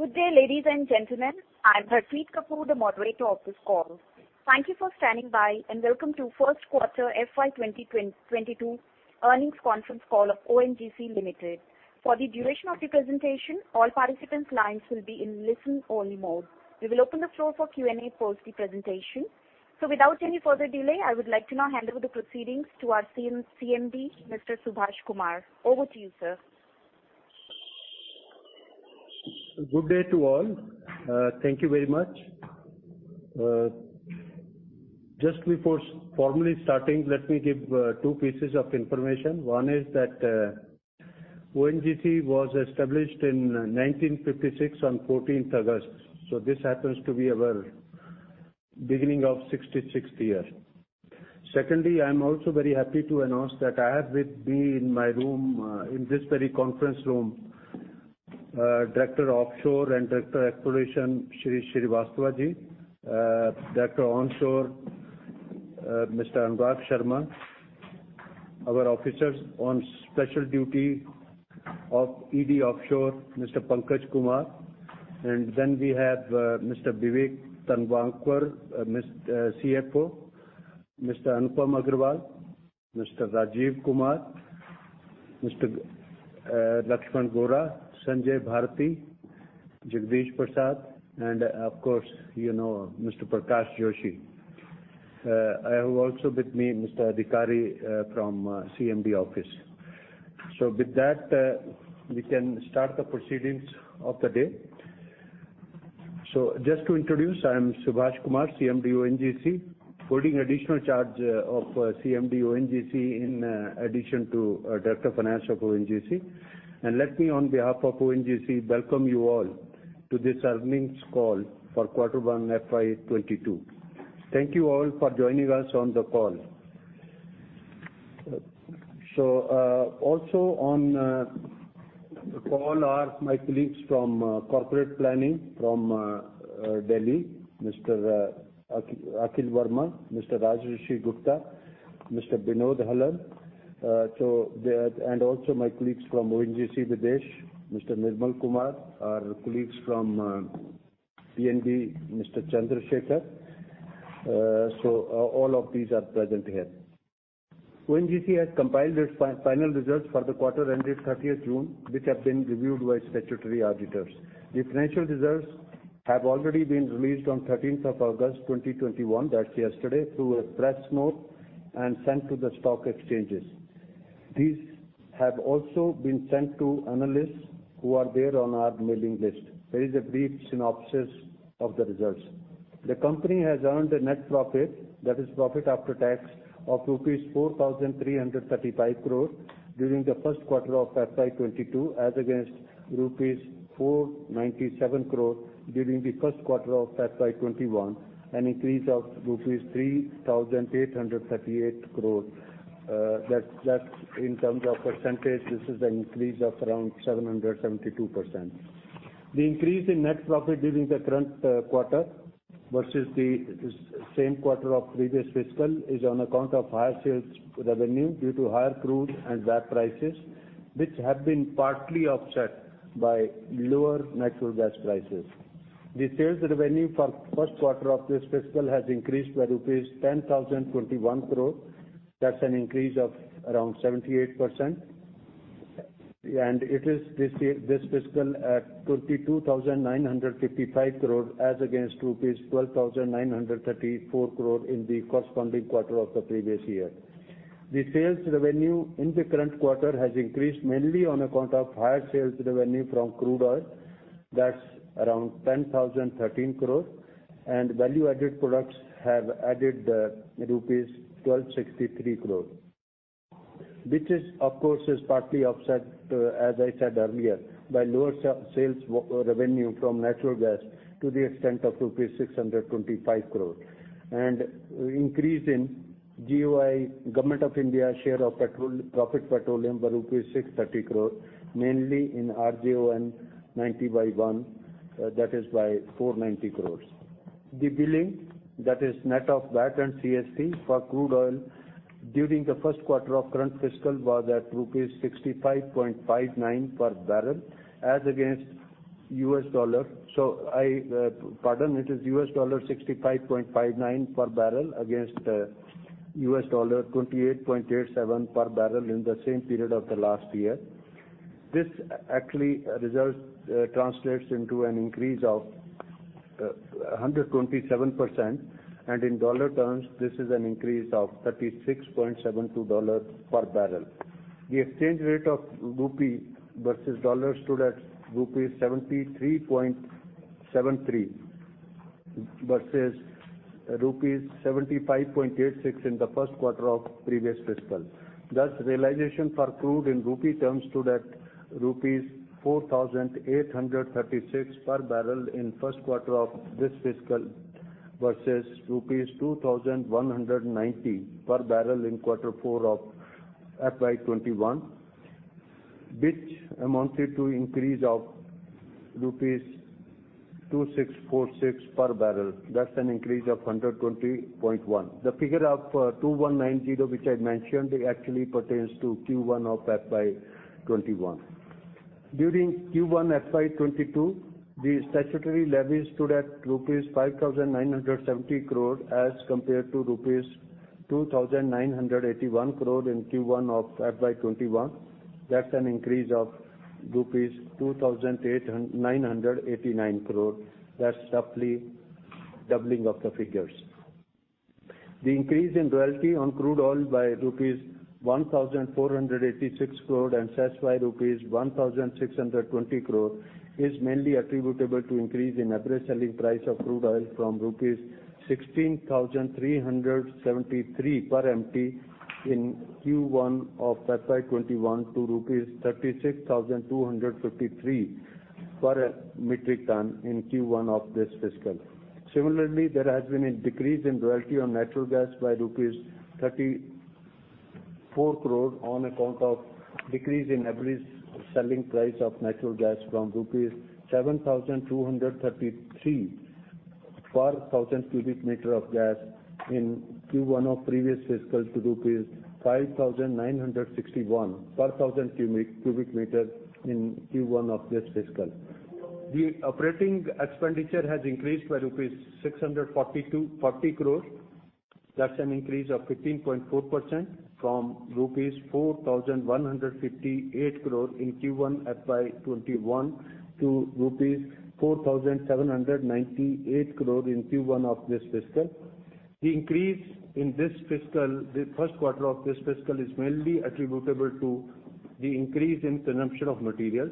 Good day, ladies and gentlemen. I'm Harpreet Kapoor, the moderator of this call. Thank you for standing by, and welcome to first quarter FY 2022 earnings conference call of ONGC Limited. For the duration of the presentation, all participant lines will be in listen-only mode. We will open the floor for Q&A post the presentation. Without any further delay, I would like to now hand over the proceedings to our Chairman and Managing Director, Mr. Subhash Kumar. Over to you, Sir. Good day to all. Thank you very much. Just before formally starting, let me give two pieces of information. One is that ONGC was established in 1956 on 14th August, so this happens to be our beginning of 66th year. Secondly, I'm also very happy to announce that I have with me in my room, in this very conference room, Director (Offshore) and Director (Exploration), Rajesh Kumar Srivastava. Director (Onshore), Anurag Sharma. Our officers on special duty, Executive Director Offshore, Pankaj Kumar, and then we have Vivek Tongaonkar, Chief Financial Officer. Anurag Sharma, Rajesh Kumar Srivastava, Lakshman Gora, Sanjay Bharti, Jagdish Prasad, and of course, Prakash Joshi. I have also with me, Adhikari from CMD office. With that, we can start the proceedings of the day. Just to introduce, I am Subhash Kumar, Chairman and Managing Director, ONGC, holding additional charge of Chairman and Managing Director, ONGC, in addition to Director of Finance of ONGC. Let me on behalf of ONGC, welcome you all to this earnings call for quarter one, FY 2022. Thank you all for joining us on the call. Also on the call are my colleagues from corporate planning from Delhi, Mr. Akhil Varma, Mr. Rajarshi Gupta, Mr. Vinod Hallan. Also my colleagues from ONGC Videsh, Mr. Nirmal Kumar. Our colleagues from P&D, Mr. Chandrashekar. All of these are present here. ONGC has compiled its final results for the quarter ended 30th June, which have been reviewed by statutory auditors. The financial results have already been released on 13th of August 2021, that's yesterday, through a press note and sent to the stock exchanges. These have also been sent to analysts who are there on our mailing list. There is a brief synopsis of the results. The company has earned a net profit, that is profit after tax, of rupees 4,335 crore during the first quarter of FY 2022, as against rupees 497 crore during the first quarter of FY 2021, an increase of rupees 3,838 crore. That is in terms of percentage, this is an increase of around 772%. The increase in net profit during the current quarter versus the same quarter of previous fiscal is on account of higher sales revenue due to higher crude and VAT prices, which have been partly offset by lower natural gas prices. The sales revenue for first quarter of this fiscal has increased by rupees 10,021 crore. That's an increase of around 78%, and it is this fiscal at 22,955 crore, as against rupees 12,934 crore in the corresponding quarter of the previous year. The sales revenue in the current quarter has increased mainly on account of higher sales revenue from crude oil. That's around 10,013 crore, and value-added products have added rupees 1,263 crore. Which of course, is partly offset, as I said earlier, by lower sales revenue from natural gas to the extent of rupees 625 crore, and increase in GOI, Government of India, share of Profit Petroleum by rupees 630 crore, mainly in RJ-ON-90/1, that is by 490 crore. The billing, that is net of VAT and CST for crude oil during the first quarter of current fiscal was at rupees 65.59 per barrel as against US dollar. Pardon, it is $65.59 per barrel against $28.87 per barrel in the same period of the last year. This actually translates into an increase of 127%, and in dollar terms, this is an increase of $36.72 per barrel. The exchange rate of rupee versus dollar stood at rupees 73.73 versus rupees 75.86 in the first quarter of previous fiscal. Realization for crude in rupee terms stood at rupees 4,836 per barrel in first quarter of this fiscal, versus rupees 2,190 per barrel in Q4 of FY 2021, which amounted to increase of rupees 2,646 per barrel. That's an increase of 120.1%. The figure of 2,190, which I mentioned, actually pertains to Q1 of FY 2021. During Q1 FY 2022, the statutory levies stood at INR 5,970 crores as compared to INR 2,981 crores in Q1 of FY 2021. That's an increase of INR 2,989 crores. That's roughly doubling of the figures. The increase in royalty on crude oil by rupees 1,486 crores and cess by rupees 1,620 crores, is mainly attributable to increase in average selling price of crude oil from rupees 16,373 per MT in Q1 of FY 2021 to rupees 36,253 per metric ton in Q1 of this fiscal. Similarly, there has been a decrease in royalty on natural gas by 34 crores on account of decrease in average selling price of natural gas from rupees 7,233 per thousand cubic meter of gas in Q1 of previous fiscal to rupees 5,961 per thousand cubic meter in Q1 of this fiscal. The operating expenditure has increased by rupees 640 crores. That's an increase of 15.4% from rupees 4,158 crores in Q1 FY 2021 to rupees 4,798 crores in Q1 of this fiscal. The increase in this fiscal, the first quarter of this fiscal, is mainly attributable to the increase in consumption of materials,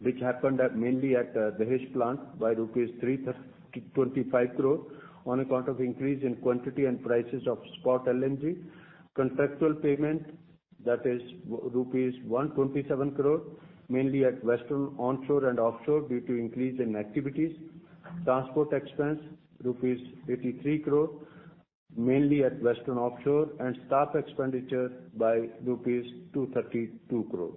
which happened mainly at the Dahej plant by rupees 325 crores on account of increase in quantity and prices of spot LNG. Contractual payment, that is rupees 127 crores, mainly at Western onshore and offshore due to increase in activities. Transport expense, rupees 83 crores, mainly at Western offshore, and staff expenditure by rupees 232 crores.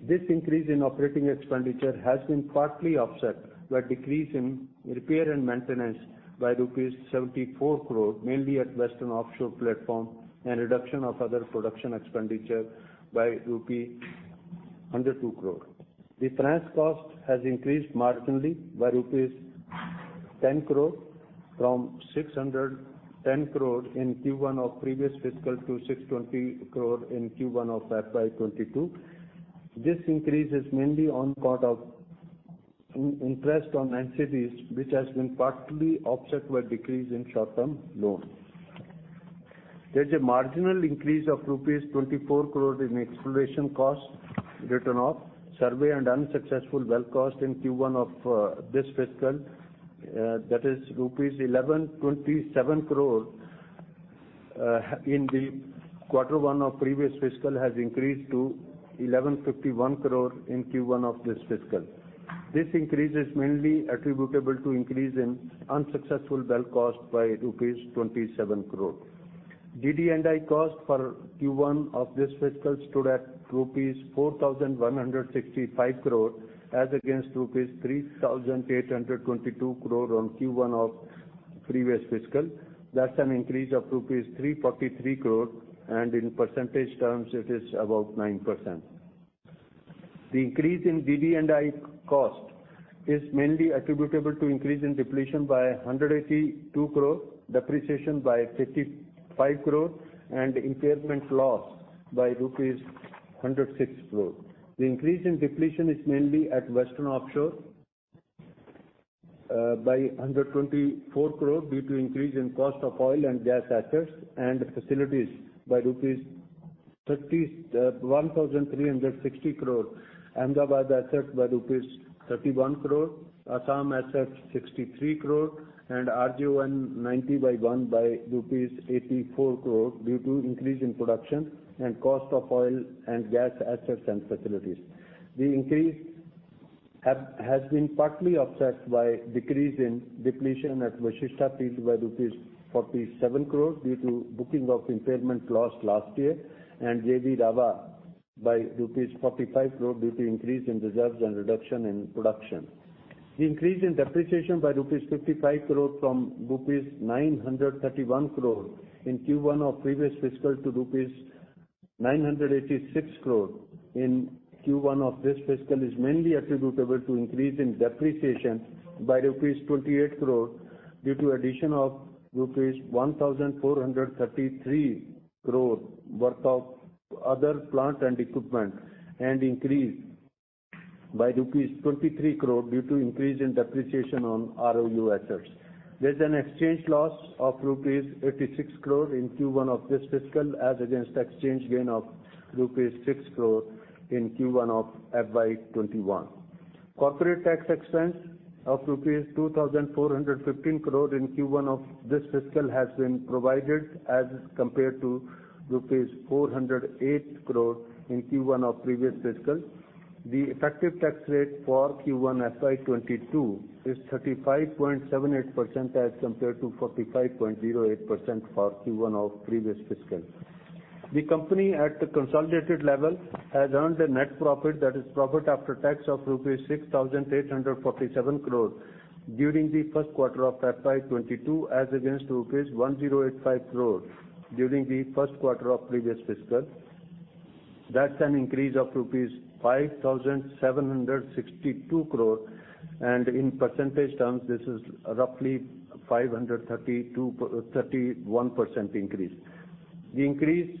This increase in operating expenditure has been partly offset by decrease in repair and maintenance by 74 crores rupees, mainly at Western offshore platform, and reduction of other production expenditure by 102 crores rupee. The finance cost has increased marginally by rupees 10 crores from 610 crores in Q1 of previous fiscal to 620 crores in Q1 of FY 2022. This increase is mainly on account of interest on NCDs, which has been partly offset by decrease in short-term loans. There's a marginal increase of 24 crores in exploration costs, written off. Survey and unsuccessful well cost in Q1 of this fiscal, that is rupees 1,127 crores in the quarter one of previous fiscal has increased to 1,151 crores in Q1 of this fiscal. This increase is mainly attributable to increase in unsuccessful well cost by rupees 27 crores. DD&I cost for Q1 of this fiscal stood at rupees 4,165 crores as against 3,822 crores on Q1 of previous fiscal. That's an increase of rupees 343 crores, and in percentage terms, it is about 9%. The increase in DD&I cost is mainly attributable to increase in depletion by INR 182 crores, depreciation by INR 55 crores, and impairment loss by INR 106 crores. The increase in depletion is mainly at Western offshore by 124 crores due to increase in cost of oil and gas assets and facilities by rupees 31,360 crores, Ahmedabad assets by rupees 31 crores, Assam assets 63 crores, and RJ-ON-90/1 by rupees 84 crores due to increase in production and cost of oil and gas assets and facilities. The increase has been partly offset by decrease in depletion at Vashishta field by rupees 47 crores due to booking of impairment loss last year and JV Ravva by rupees 45 crores due to increase in reserves and reduction in production. The increase in depreciation by rupees 55 crores from rupees 931 crores in Q1 of previous fiscal to rupees 986 crores in Q1 of this fiscal is mainly attributable to increase in depreciation by rupees 28 crores due to addition of rupees 1,433 crores worth of other plant and equipment, and increase by rupees 23 crores due to increase in depreciation on ROU assets. There's an exchange loss of rupees 86 crores in Q1 of this fiscal, as against exchange gain of rupees 6 crores in Q1 of FY 2021. Corporate tax expense of rupees 2,415 crores in Q1 of this fiscal has been provided as compared to rupees 408 crores in Q1 of previous fiscal. The effective tax rate for Q1 FY 2022 is 35.78% as compared to 45.08% for Q1 of previous fiscal. The company at the consolidated level has earned a net profit, that is PAT, of 6,847 crores rupees during the first quarter of FY 2022 as against 1,085 crores rupees during the first quarter of previous fiscal. That's an increase of rupees 5,762 crores, and in percentage terms, this is roughly 531% increase. The increase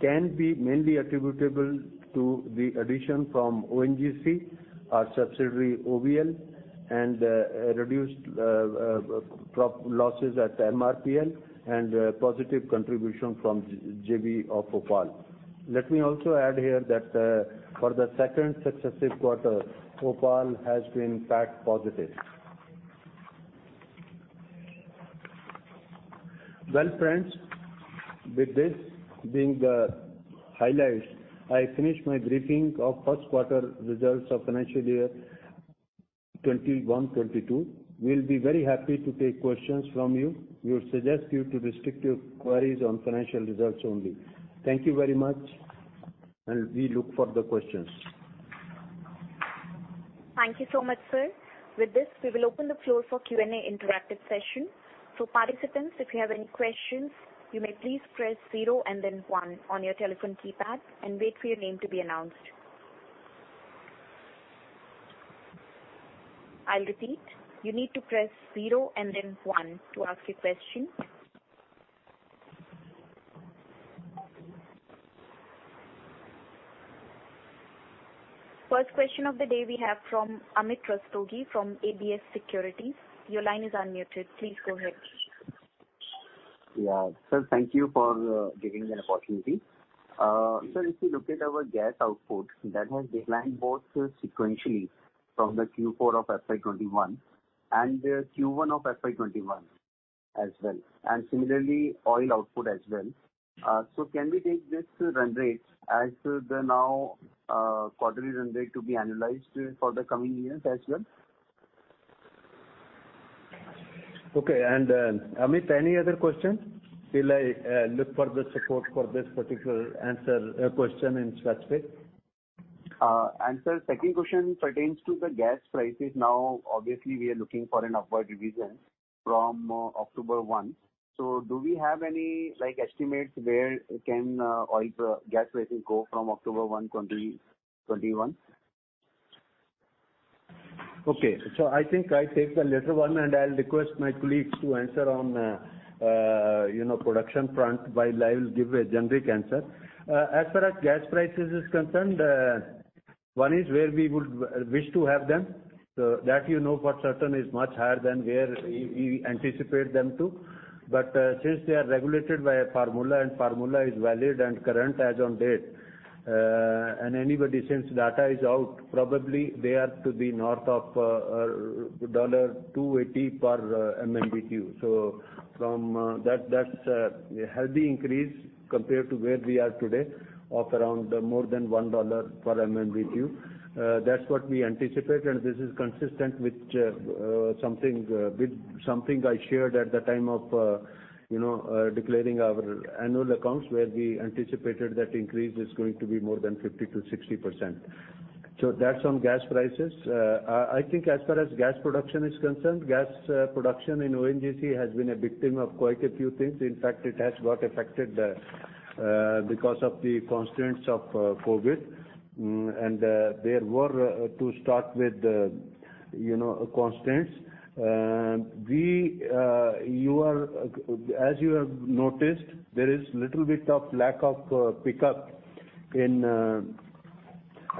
can be mainly attributable to the addition from ONGC, our subsidiary, OVL, and reduced losses at MRPL and a positive contribution from JV of OPaL. Let me also add here that for the second successive quarter, OPaL has been PAT positive. Well, friends, with this being the highlights, I finish my briefing of first quarter results of financial year 2021/2022. We'll be very happy to take questions from you. We would suggest you to restrict your queries on financial results only. Thank you very much, and we look for the questions. Thank you so much, Sir. With this, we will open the floor for Q&A interactive session. Participants, if you have any questions, you may please press zero and then one on your telephone keypad and wait for your name to be announced. I'll repeat. You need to press zero and then one to ask your question. First question of the day we have from Amit Rastogi from ABS Security. Your line is unmuted. Please go ahead. Yeah. Sir, thank you for giving me an opportunity. Sir, if you look at our gas output, that has declined both sequentially from the Q4 of FY 2021 and Q1 of FY 2021 as well, and similarly, oil output as well. Can we take this run rate as the now quarterly run rate to be analyzed for the coming years as well? Okay. Amit, any other question till I look for the support for this particular question in specific? Sir, second question pertains to the gas prices now. Obviously, we are looking for an upward revision from October 1. Do we have any estimates where can oil gas pricing go from October 1, 2021? Okay. I think I take the latter one, and I'll request my colleagues to answer on production front while I will give a generic answer. As far as gas prices is concerned, one is where we would wish to have them. That you know for certain is much higher than where we anticipate them to. Since they are regulated by a formula, and formula is valid and current as on date, and anybody, since data is out, probably they are to be north of $2.80 per MMBtu. From that's a healthy increase compared to where we are today of around more than $1 per MMBtu. That's what we anticipate, and this is consistent with something I shared at the time of declaring our annual accounts, where we anticipated that increase is going to be more than 50%-60%. That's on gas prices. I think as far as gas production is concerned, gas production in ONGC has been a victim of quite a few things. In fact, it has got affected because of the constraints of COVID, and there were, to start with, constraints. As you have noticed, there is little bit of lack of pickup in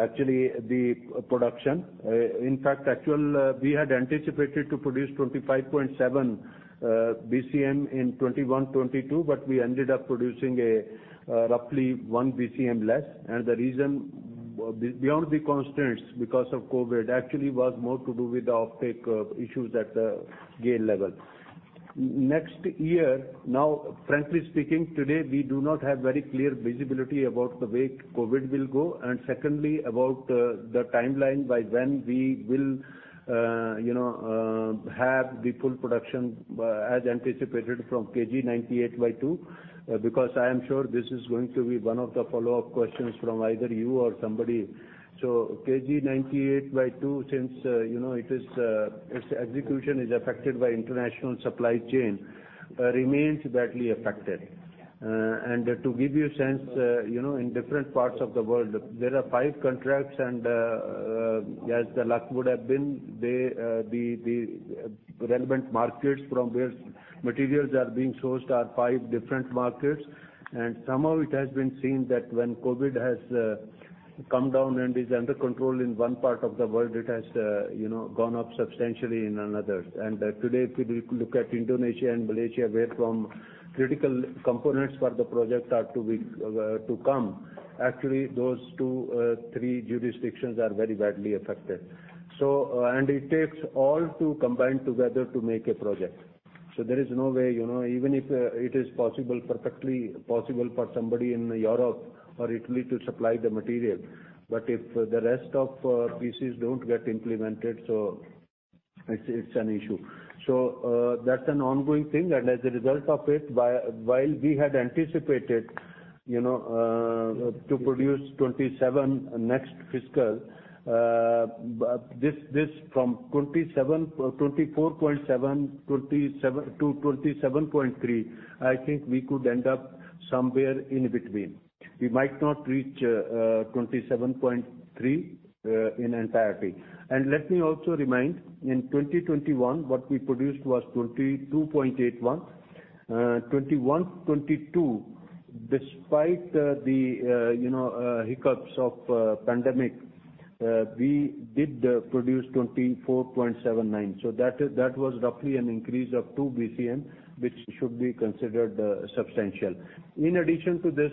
actually the production. In fact, actual, we had anticipated to produce 25.7 BCM in 2021/2022, but we ended up producing roughly 1 BCM less. The reason beyond the constraints because of COVID, actually was more to do with the offtake issues at the GAIL level. Next year, frankly speaking, today, we do not have very clear visibility about the way COVID will go. Secondly, about the timeline by when we will have the full production as anticipated from KG-DWN-98/2. I am sure this is going to be one of the follow-up questions from either you or somebody. KG-DWN-98/2, since its execution is affected by international supply chain, remains badly affected. To give you a sense, in different parts of the world, there are five contracts, and as the luck would have been, the relevant markets from where materials are being sourced are five different markets. Somehow it has been seen that when COVID has come down and is under control in one part of the world, it has gone up substantially in another. Today, if we look at Indonesia and Malaysia, where from critical components for the project are to come, actually those two, three jurisdictions are very badly affected. It takes all to combine together to make a project. There is no way, even if it is perfectly possible for somebody in Europe or Italy to supply the material, but if the rest of pieces don't get implemented. It's an issue. That's an ongoing thing, and as a result of it, while we had anticipated to produce 27 next fiscal, this from 24.7-27.3, I think we could end up somewhere in between. We might not reach 27.3 in entirety. Let me also remind, in 2021, what we produced was 22.81. 2021/2022, despite the hiccups of pandemic, we did produce 24.79. That was roughly an increase of 2 BCM, which should be considered substantial. In addition to this,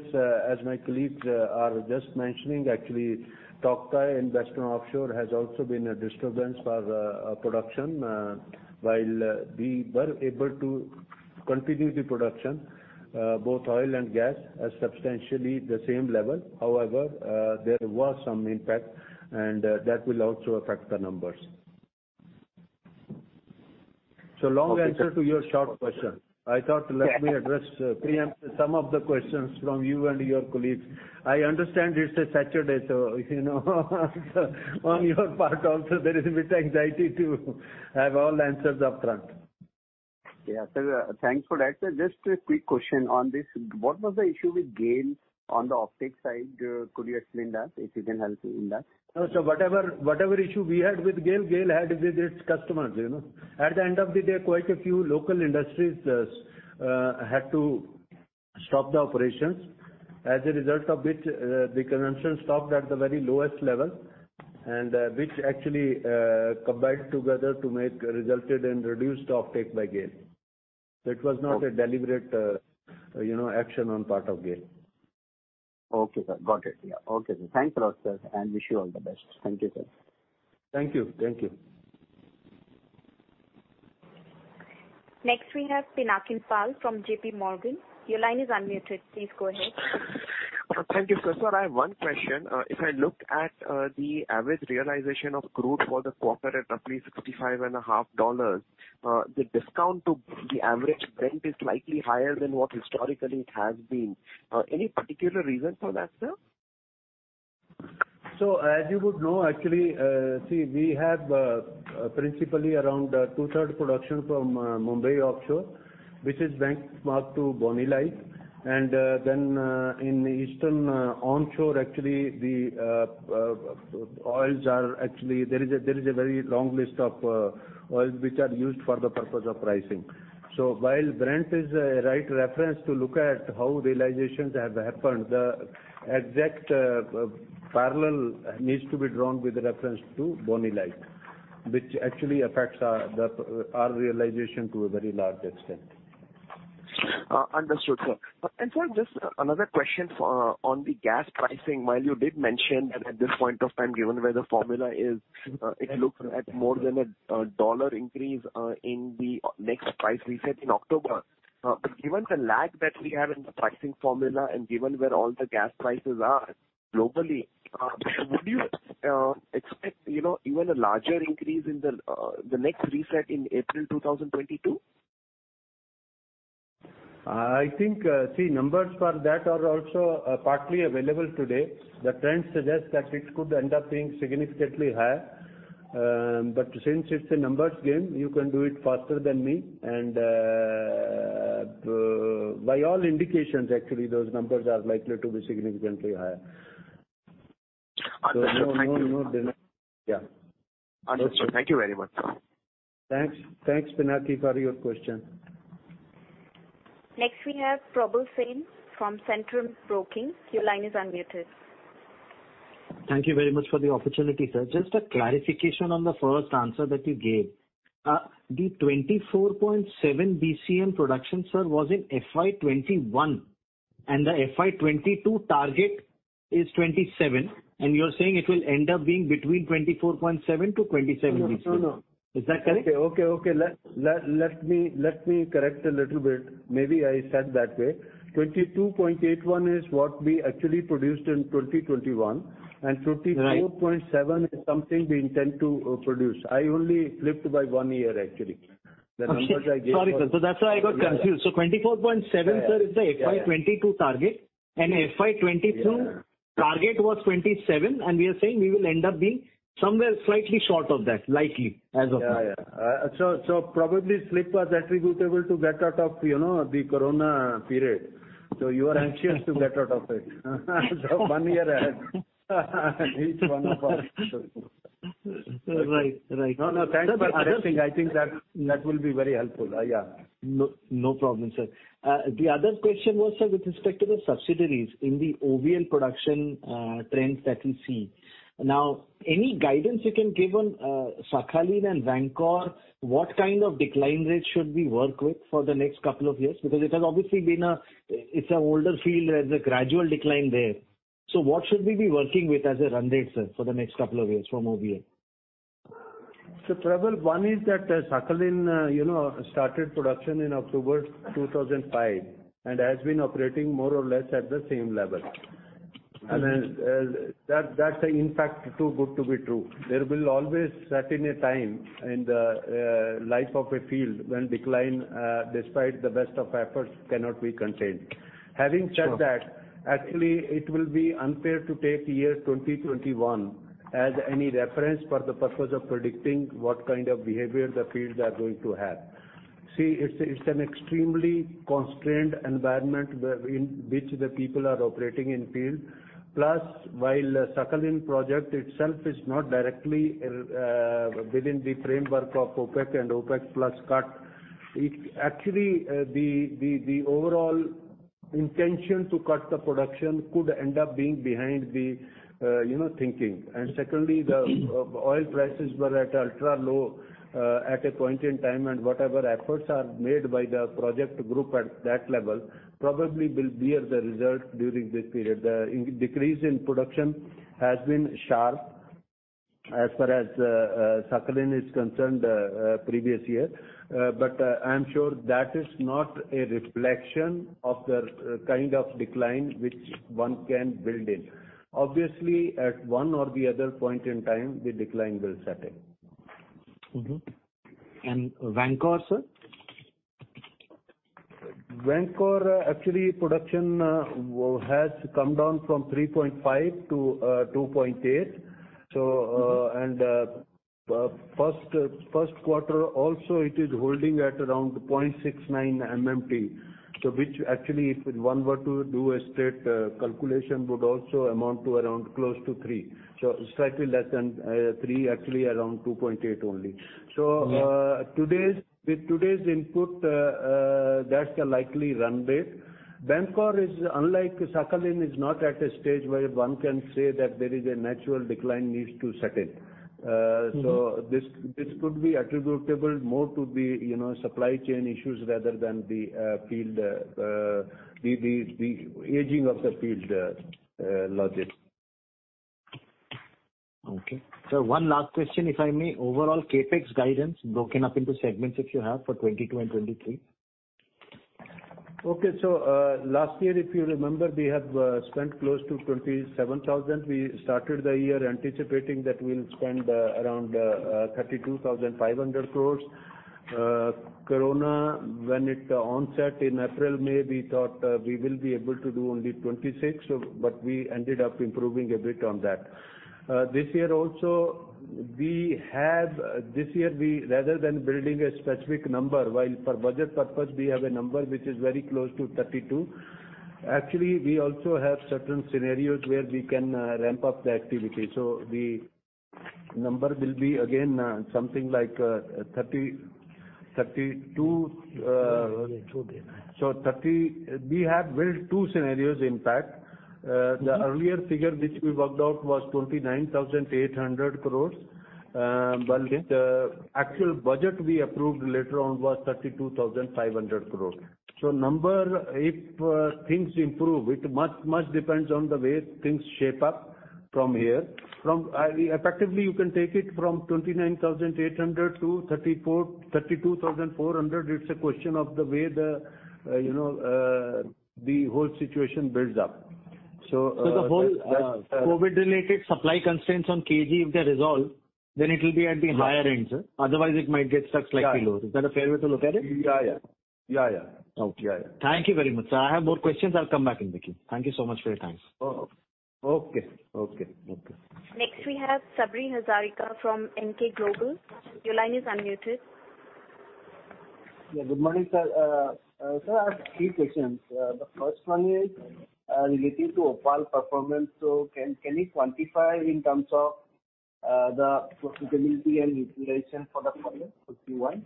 as my colleagues are just mentioning, actually, Tauktae and Western Offshore has also been a disturbance for production. While we were able to continue the production, both oil and gas are substantially the same level. However, there was some impact, and that will also affect the numbers. Long answer to your short question. I thought let me address, preempt some of the questions from you and your colleagues. I understand it's a Saturday, so on your part also, there is a bit anxiety to have all answers upfront. Sir, thanks for that. Just a quick question on this. What was the issue with GAIL on the offtake side? Could you explain that? If you can help in that. No, whatever issue we had with GAIL had with its customers. At the end of the day, quite a few local industries had to stop the operations. As a result of which, the consumption stopped at the very lowest level, which actually combined together resulted in reduced offtake by GAIL. That was not a deliberate action on part of GAIL. Okay, Sir. Got it. Yeah. Okay. Thanks a lot, Sir, and wish you all the best. Thank you, Sir. Thank you. Next we have Pinakin Parekh from JPMorgan. Your line is unmuted. Please go ahead. Thank you. Sir, I have one question. If I look at the average realization of crude for the quarter at $365.50, the discount to the average Brent is slightly higher than what historically it has been. Any particular reason for that, Sir? As you would know, actually, see, we have principally around two-third production from Mumbai offshore, which is benchmarked to Bonny Light. In eastern onshore, actually, there is a very long list of oils which are used for the purpose of pricing. While Brent is a right reference to look at how realizations have happened, the exact parallel needs to be drawn with reference to Bonny Light, which actually affects our realization to a very large extent. Understood, Sir. Sir, just another question on the gas pricing. While you did mention that at this point of time, given where the formula is, it looks at more than a a dollar increase in the next price reset in October. Given the lag that we have in the pricing formula, and given where all the gas prices are globally, would you expect even a larger increase in the next reset in April 2022? I think, see, numbers for that are also partly available today. The trend suggests that it could end up being significantly higher. Since it's a numbers game, you can do it faster than me, and by all indications, actually, those numbers are likely to be significantly higher. Understood. Thank you. No, they're not. Yeah. Understood. Thank you very much. Thanks, Pinakin Parekh, for your question. Next, we have Probal Sen from Centrum Broking. Your line is unmuted. Thank you very much for the opportunity, Sir. Just a clarification on the first answer that you gave. The 24.7 BCM production, Sir, was in FY 2021, and the FY 2022 target is 27, and you're saying it will end up being between 24.7 BCM-27 BCM. No. Is that correct? Okay. Let me correct a little bit. Maybe I said that way. 22.81 is what we actually produced in 2021, and 24.7. Right Is something we intend to produce. I only flipped by 1 year, actually. The numbers I gave. Okay. Sorry, Sir. That's why I got confused. 24.7, Sir. Yeah. is the FY 2022 target, and FY 2022 target was 27, and we are saying we will end up being somewhere slightly short of that, likely, as of now. Yeah. Probably slip was attributable to get out of the corona period. You are anxious to get out of it one year ahead. Each one of us. Right. No, thanks for correcting. I think that will be very helpful. Yeah. No problem, Sir. The other question was, Sir, with respect to the subsidiaries in the OVL production trends that we see. Any guidance you can give on Sakhalin and Vankor? What kind of decline rate should we work with for the next couple of years? Because it has obviously been an older field, there's a gradual decline there. What should we be working with as a run rate, Sir, for the next couple of years from OVL? Probal, one is that Sakhalin started production in October 2005, and has been operating more or less at the same level. That's an impact too good to be true. There will always certain a time in the life of a field when decline, despite the best of efforts, cannot be contained. Having said that, actually, it will be unfair to take year 2021 as any reference for the purpose of predicting what kind of behavior the fields are going to have. It's an extremely constrained environment in which the people are operating in field. While Sakhalin project itself is not directly within the framework of OPEC and OPEC+ cut, actually, the overall intention to cut the production could end up being behind the thinking. Secondly, the oil prices were at ultra-low at a point in time, and whatever efforts are made by the project group at that level probably will bear the result during this period. The decrease in production has been sharp as far as Sakhalin is concerned previous year. I'm sure that is not a reflection of the kind of decline which one can build in. Obviously, at one or the other point in time, the decline will set in. Vankor, Sir? Vankor, actually, production has come down from 3.5 to 2.8. First quarter also, it is holding at around 0.69 MMT. Which actually, if one were to do a straight calculation, would also amount to around close to three. Slightly less than three, actually around 2.8 only. Yeah. With today's input, that's the likely run rate. Vankor is, unlike Sakhalin, is not at a stage where one can say that there is a natural decline needs to set in. This could be attributable more to the supply chain issues rather than the aging of the field logic. Okay. Sir, one last question, if I may. Overall CapEx guidance broken up into segments, if you have, for 2022 and 2023? Last year, if you remember, we had spent close to 27,000 crore. We started the year anticipating that we will spend around 32,500 crore. Corona, when it onset in April, May, we thought we will be able to do only 26 crore, but we ended up improving a bit on that. This year, rather than building a specific number, while for budget purpose, we have a number which is very close to 32 crore, actually, we also have certain scenarios where we can ramp up the activity. The number will be again, something like INR 30 crore-INR 32 crore. We have built two scenarios, in fact. The earlier figure which we worked out was 29,800 crore. Okay. The actual budget we approved later on was 32,500 crore. Number, if things improve, it much depends on the way things shape up from here. Effectively, you can take it from 29,800-32,400. It's a question of the way the whole situation builds up. So the whole. That's the. COVID related supply constraints on KG, if they're resolved, then it will be at the higher end, Sir. Otherwise, it might get stuck slightly lower. Yeah. Is that a fair way to look at it? Yeah. Okay. Thank you very much, Sir. I have more questions. I'll come back in with you. Thank you so much for your time. Okay. Next, we have Sabri Hazarika from Emkay Global. Your line is unmuted. Yeah. Good morning, Sir. Sir, I have three questions. The first one is relating to OPaL performance. Can you quantify in terms of the profitability and utilization for the quarter, Q1?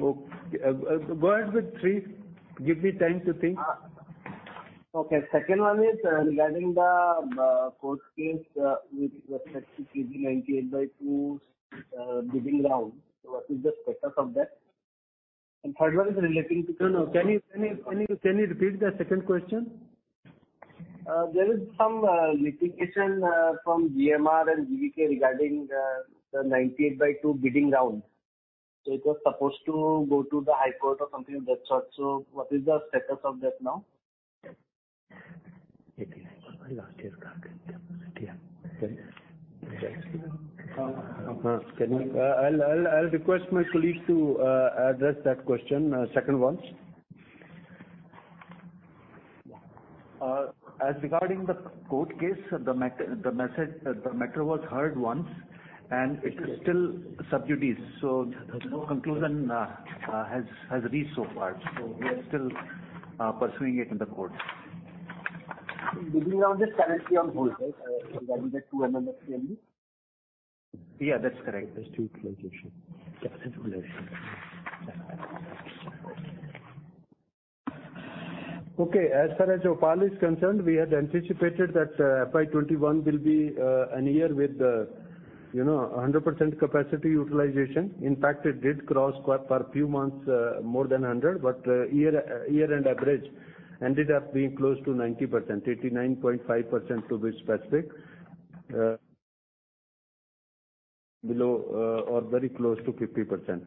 Go ahead with three. Give me time to think. Okay. Second one is regarding the court case with respect to KG-DWN-98/2 bidding round. What is the status of that? Third one is relating to. No. Can you repeat the second question? There is some litigation from GMR and GVK regarding the 98/2 bidding round. It was supposed to go to the high court or something of that sort. What is the status of that now? I'll request my colleague to address that question, second one. As regarding the court case, the matter was heard once, and it is still sub judice. No conclusion has reached so far. We are still pursuing it in the court. Bidding round is currently on hold, right? Regarding the 2 MMSCMD? Yeah, that's correct. There's two locations. Okay. As far as OPaL is concerned, we had anticipated that FY 2021 will be a year with 100% capacity utilization. In fact, it did cross for a few months more than 100%, but year-end average ended up being close to 90%, 89.5% to be specific. Below or very close to 50%.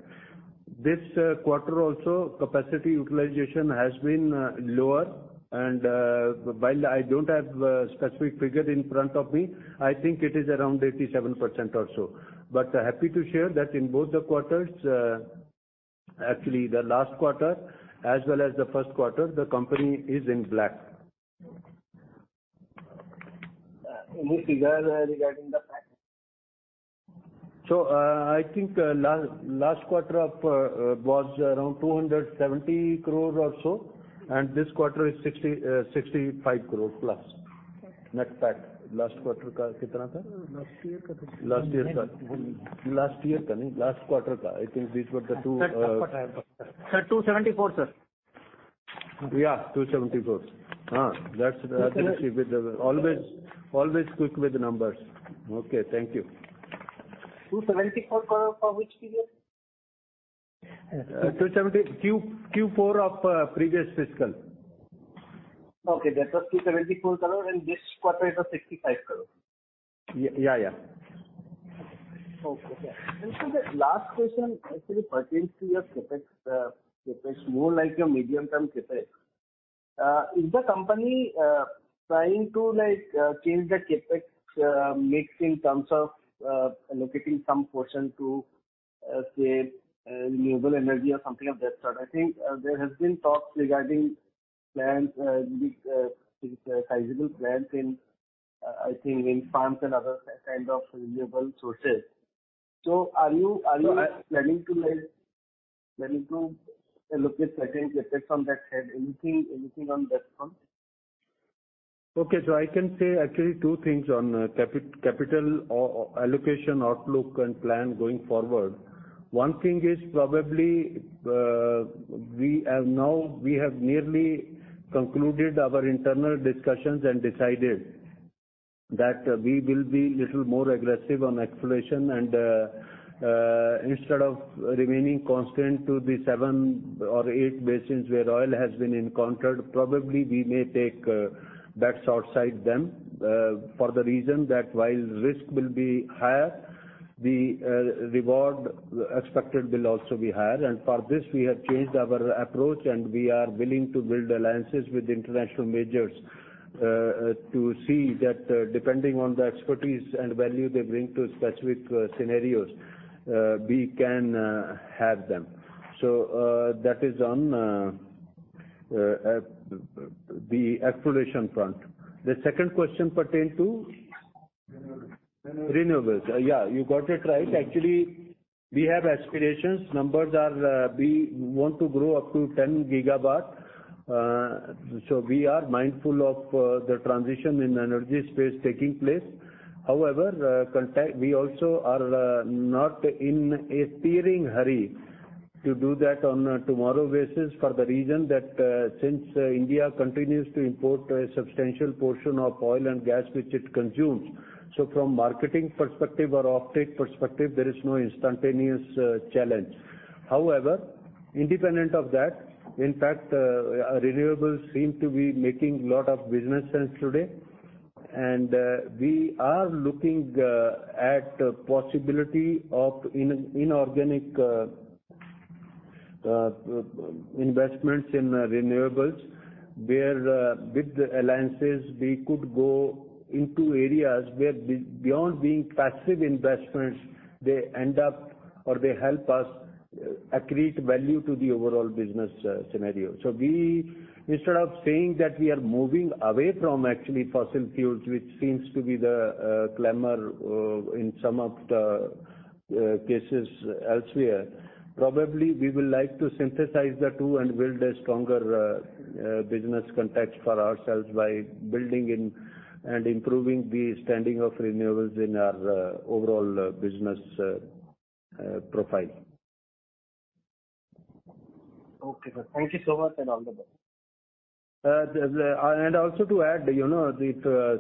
This quarter also, capacity utilization has been lower and while I don't have a specific figure in front of me, I think it is around 87% or so. Happy to share that in both the quarters, actually the last quarter as well as the first quarter, the company is in black. Any figure regarding the PAT? I think last quarter was around 270 crores or so, and this quarter is 65 crores plus Net PAT. Last year. Last year. Last year, last quarter, I think these were the two. Sir, 274. 274. That's Rajarshi. Always quick with the numbers. Okay. Thank you. 274 for which figure? 270, Q4 of previous fiscal. Okay. That was INR 274 crore, and this quarter is of 65 crore. Yeah. Okay. Sir, the last question actually pertains to your CapEx. More like your medium-term CapEx. Is the company trying to change the CapEx mix in terms of allocating some portion to, say, renewable energy or something of that sort? I think there has been talks regarding plans, since sizable plans in, I think, in farms and other kind of renewable sources. Are you planning to allocate certain CapEx on that side? Anything on that front? Okay. I can say actually two things on capital allocation outlook and plan going forward. One thing is probably, we have now nearly concluded our internal discussions and decided that we will be little more aggressive on exploration. Instead of remaining constant to the seven or eight basins where oil has been encountered, probably we may take bets outside them for the reason that while risk will be higher, the reward expected will also be higher. For this, we have changed our approach, and we are willing to build alliances with international majors to see that depending on the expertise and value they bring to specific scenarios, we can have them. That is on the exploration front. The second question pertained to? Renewables. Renewables. Yeah, you got it right. Actually, we have aspirations. We want to grow up to 10 GW. We are mindful of the transition in energy space taking place. We also are not in a searing hurry to do that on a tomorrow basis for the reason that since India continues to import a substantial portion of oil and gas, which it consumes. From marketing perspective or offtake perspective, there is no instantaneous challenge. Independent of that, in fact, renewables seem to be making lot of business sense today, and we are looking at possibility of inorganic investments in renewables where with the alliances, we could go into areas where beyond being passive investments, they end up or they help us accrete value to the overall business scenario. We, instead of saying that we are moving away from actually fossil fuels, which seems to be the clamor in some of the cases elsewhere, probably we will like to synthesize the two and build a stronger business context for ourselves by building and improving the standing of renewables in our overall business profile. Okay, Sir. Thank you so much and all the best. Also to add,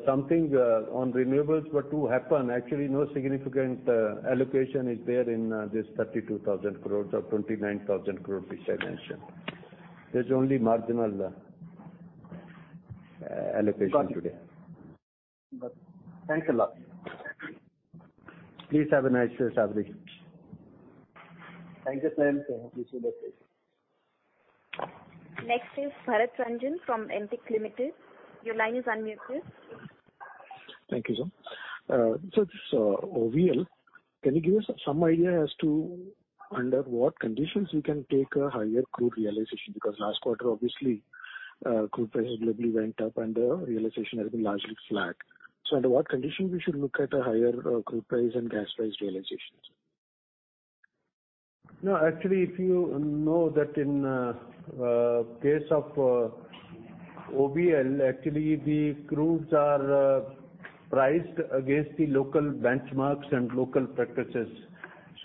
something on renewables were to happen, actually no significant allocation is there in this 32,000 crore or 29,000 crore which I mentioned. There is only marginal allocation today. Got it. Thanks a lot. Please have a nice day, Sabri. Thank you, Sir. Next is Bharat Ranjan from Emtek Limited. Your line is unmuted. Thank you, Sir. This OVL, can you give us some idea as to under what conditions we can take a higher crude realization? Because last quarter, obviously, crude price globally went up and the realization has been largely flat. Under what condition we should look at a higher crude price and gas price realizations? No, actually, if you know that in case of OVL, actually, the crudes are priced against the local benchmarks and local practices.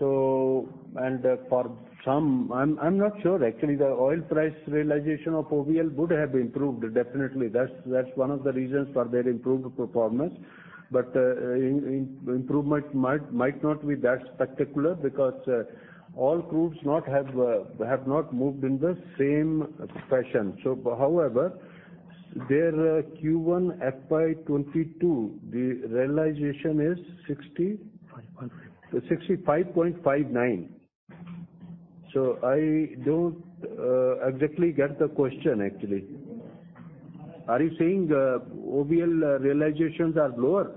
I'm not sure, actually, the oil price realization of OVL would have improved, definitely. That's one of the reasons for their improved performance. Improvement might not be that spectacular because all crudes have not moved in the same fashion. Their Q1 FY 2022 realization is $60? $65.59. $65.59. I don't exactly get the question, actually. Are you saying OVL realizations are lower?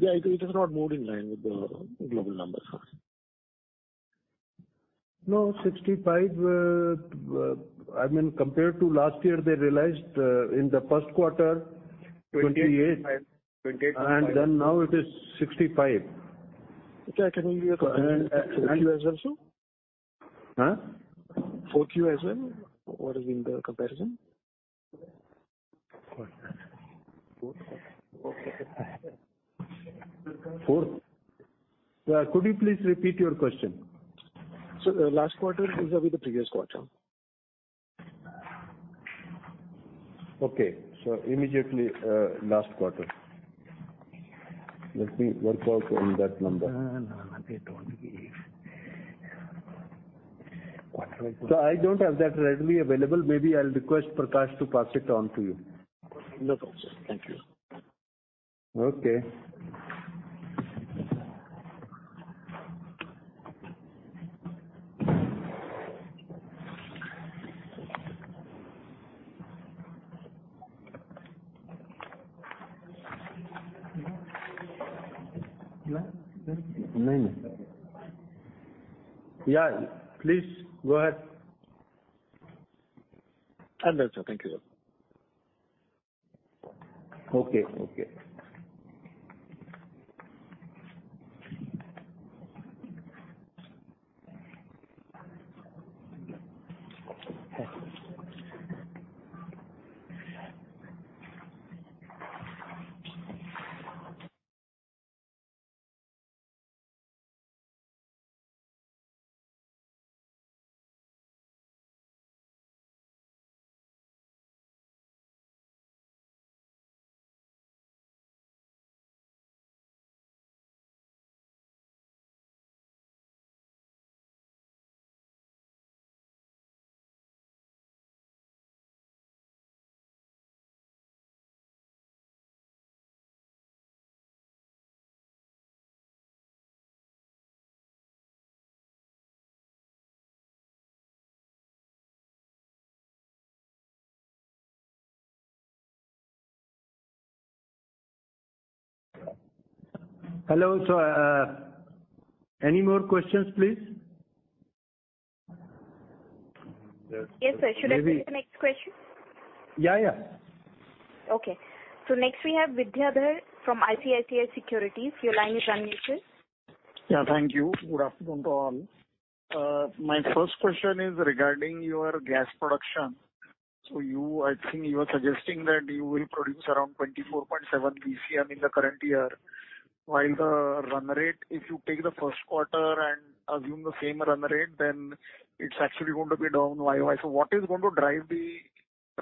Yeah. It has not moved in line with the global numbers. $65, compared to last year, they realized in the first quarter, $28, now it is $65. Okay. Can you also? Huh? 4Q as well? What is in the comparison? Fourth. Could you please repeat your question? Sir, last quarter vis-a-vis the previous quarter. Okay. Immediately, last quarter, let me work out on that number. Quarter 1. I don't have that readily available. Maybe I'll request Prakash to pass it on to you. No problem, Sir. Thank you. Okay. Yeah. Please go ahead. That's all. Thank you. Okay. Hello, Sir. Any more questions, please? Yes, Sir. Should I take the next question? Yeah. Okay. Next we have Vidyadhar from ICICI Securities. Your line is unmuted. Thank you. Good afternoon to all. My first question is regarding your gas production. I think you were suggesting that you will produce around 24.7 BCM in the current year, while the run rate, if you take the first quarter and assume the same run rate, then it's actually going to be down YoY. What is going to drive the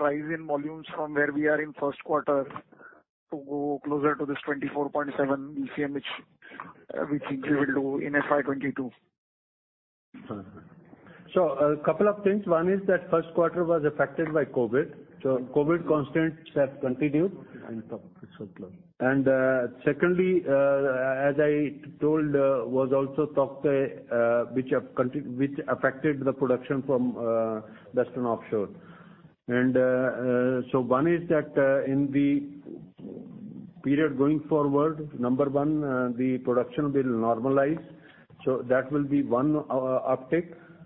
rise in volumes from where we are in first quarter to go closer to this 24.7 BCM, which we think you will do in FY 2022? A couple of things. One is that first quarter was affected by COVID. COVID constraints have continued. Secondly, as I told, was also Tauktae which affected the production from Western offshore. One is that in the period going forward, number 1, the production will normalize. That will be one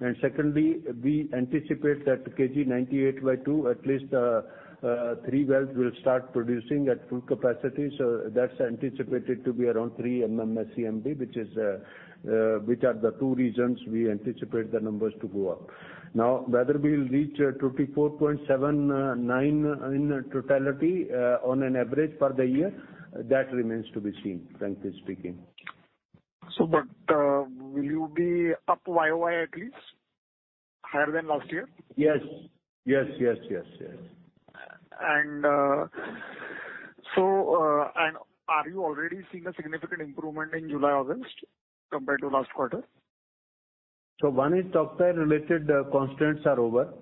uptick. Secondly, we anticipate that KG-DWN-98/2, at least three wells will start producing at full capacity. That's anticipated to be around three MMSCMD, which are the two reasons we anticipate the numbers to go up. Whether we'll reach a 24.79 in totality, on an average for the year, that remains to be seen, frankly speaking. Will you be up year-over-year at least? Higher than last year? Yes. Are you already seeing a significant improvement in July, August compared to last quarter? One is Tauktae related constraints are over,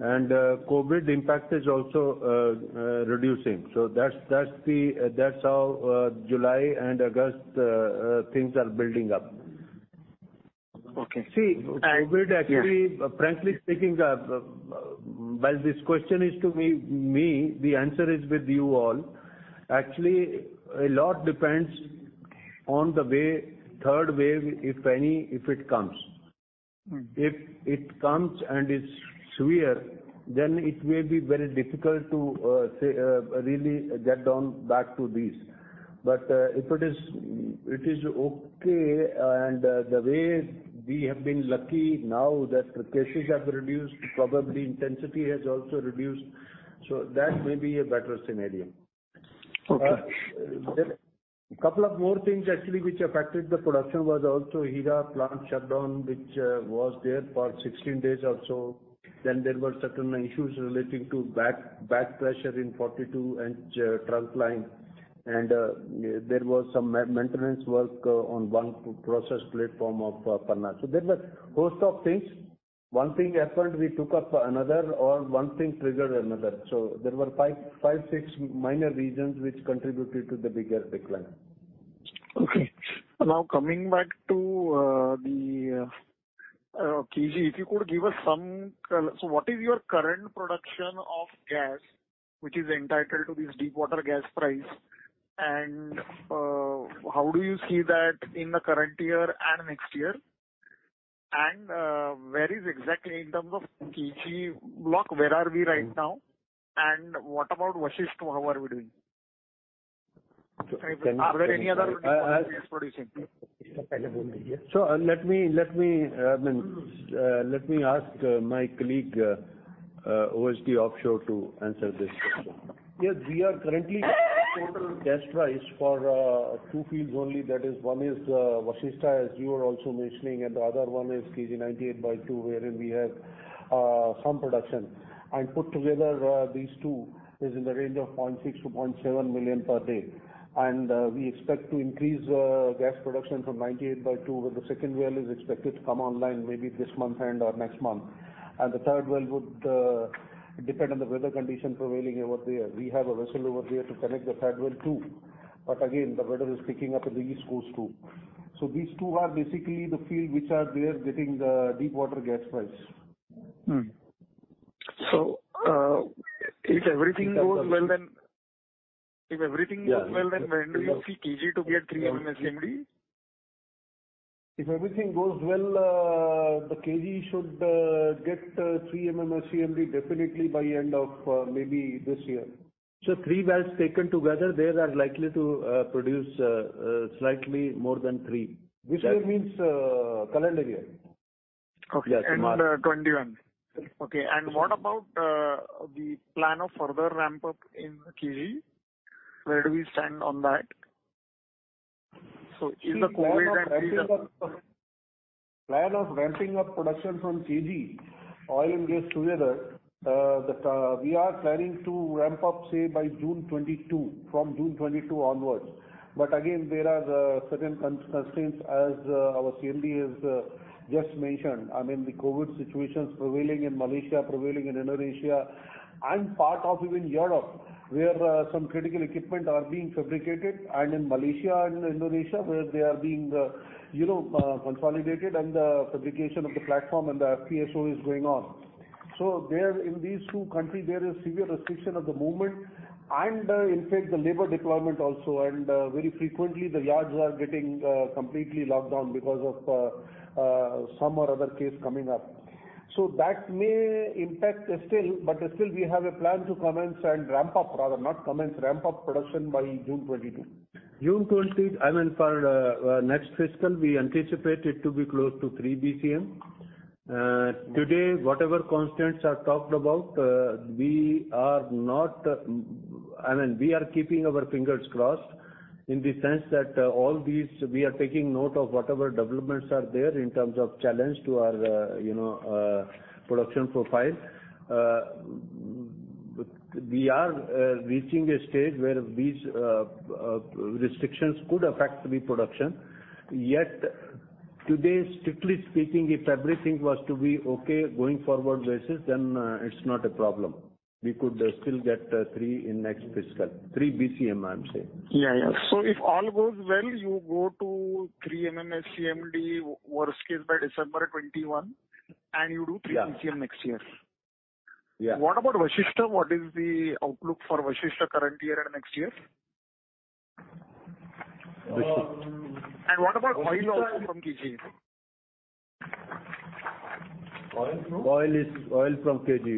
and COVID impact is also reducing. That's how July and August things are building up. Okay. COVID actually, frankly speaking, while this question is to me, the answer is with you all. A lot depends on the third wave, if any, if it comes. If it comes and it's severe, it may be very difficult to really get down back to this. If it is okay and the way we have been lucky now that the cases have reduced, probably intensity has also reduced. That may be a better scenario. Okay. A couple of more things actually which affected the production was also Heera plant shutdown, which was there for 16 days or so. There were certain issues relating to back pressure in 42-inch trunk line. There was some maintenance work on one process platform of Panna. There were a host of things. One thing happened, we took up another, or one thing triggered another. There were five, six minor reasons which contributed to the bigger decline. Okay. Now coming back to the KG. What is your current production of gas, which is entitled to this deep water gas price? How do you see that in the current year and next year? Where is exactly in terms of KG block, where are we right now? What about Vashishta, how are we doing? Are there any other oil and gas producing? Let me ask my colleague, OSD offshore, to answer this question. We are currently total gas price for two fields only. That is, 1one is Vashishta, as you are also mentioning, the other one is KG-DWN-98/2, wherein we have some production. Put together, these two is in the range of 0.6-0.7 million per day. We expect to increase gas production from KG-DWN-98/2, where the second well is expected to come online maybe this month end or next month. The third well would depend on the weather condition prevailing over there. We have a vessel over there to connect the third well, too. Again, the weather is picking up in the East Coast, too. These two are basically the field which are there getting the deep water gas price. If everything goes well, then when do you see KG to get three MMSCMD? If everything goes well, the KG should get three MMSCMD definitely by end of maybe this year. Three wells taken together, they are likely to produce slightly more than three. This year means calendar year. Okay. End of 2021. Okay. What about the plan of further ramp up in KG? Where do we stand on that? Is the COVID? Plan of ramping up production from KG, oil and gas together, we are planning to ramp up, say, by June 2022, from June 2022 onwards. Again, there are certain constraints as our CMD has just mentioned. I mean, the COVID situation is prevailing in Malaysia, prevailing in Indonesia, and part of even Europe, where some critical equipment are being fabricated, and in Malaysia and Indonesia, where they are being consolidated and the fabrication of the platform and the FPSO is going on. There in these two countries, there is severe restriction of the movement and in fact, the labor deployment also. Very frequently the yards are getting completely locked down because of some or other case coming up. That may impact still, but still we have a plan to commence and ramp up, rather, not commence, ramp up production by June 2022. I mean, for next fiscal, we anticipate it to be close to 3 BCM. Today, whatever constraints are talked about, we are keeping our fingers crossed in the sense that all these, we are taking note of whatever developments are there in terms of challenge to our production profile. We are reaching a stage where these restrictions could affect the production. Today, strictly speaking, if everything was to be okay going forward basis, then it's not a problem. We could still get three in next fiscal, 3 BCM, I'm saying. Yeah. If all goes well, you go to three MMSCMD, worst case by December 2021, and you do 3 BCM next year. Yeah. What about Vashishta? What is the outlook for Vashishta current year and next year? What about oil also from KG? Oil from? Oil from KG, June 2022. Oil from KG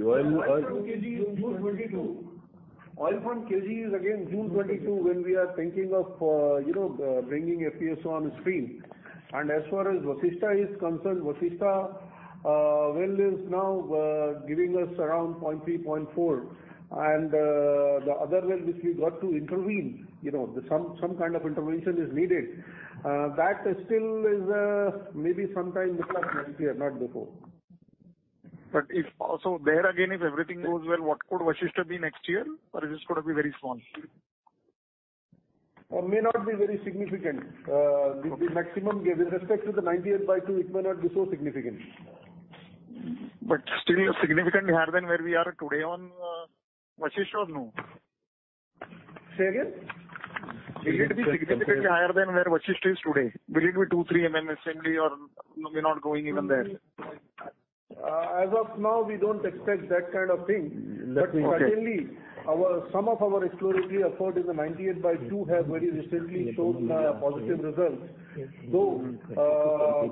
is again June 2022 when we are thinking of bringing FPSO on stream. As far as Vashishta is concerned, Vashishta well is now giving us around 0.3, 0.4. The other well which we got to intervene, some kind of intervention is needed. That still is maybe sometime middle of next year, not before. If also there again, if everything goes well, what could Vashishta be next year? Or it is going to be very small? May not be very significant. With respect to the KG-DWN-98/2, it may not be so significant. Still significantly higher than where we are today on Vashishta or no? Say again. Will it be significantly higher than where Vashishta is today? Will it be two, three MMSCMD or we're not going even there? As of now, we don't expect that kind of thing. Certainly, some of our exploratory effort in the 98 by two have very recently shown positive results, though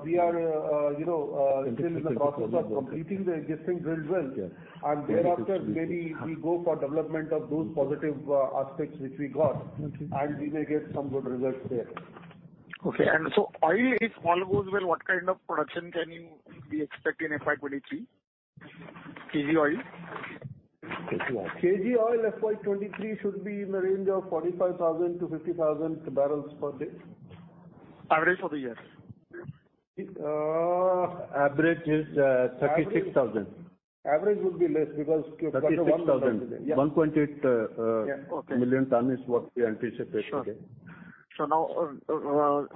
we are still in the process of completing the existing drilled well, and thereafter, maybe we go for development of those positive aspects which we got, and we may get some good results there. Okay. Oil, if all goes well, what kind of production can we expect in FY 2023, KG oil? KG oil FY 2023 should be in the range of 45,000-50,000 barrels per day. Average of the year. Average is 36,000. Average would be less because. 36,000. Yeah. 128 million ton is what we anticipate. Sure. Now,